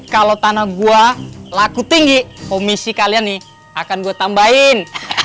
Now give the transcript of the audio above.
kalau tanah gua laku tinggi komisi kalian nih akan gue tambahin